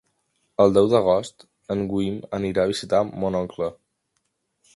El deu d'agost en Guim anirà a visitar mon oncle.